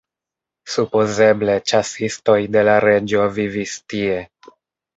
Supozeble ĉasistoj de la reĝo vivis tie.